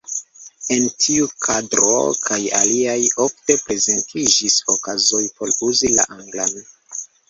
En tiu kadro kaj aliaj, ofte prezentiĝis okazoj por uzi la anglan.